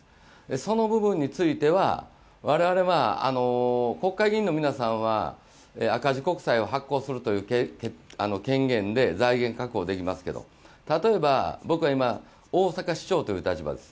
その部分については、我々は国会議員の皆さんは赤字国債を発行するという権限で財源確保できますけど、例えば僕は大阪市長という立場です。